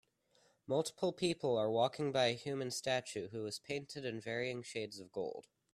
Multiple people are walking by a human statue, who is painted in varying shades of gold.